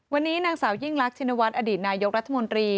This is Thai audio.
วันนี้นางสาวยิ่งรักชินวัฒน์อดีตนายกรัฐมนตรี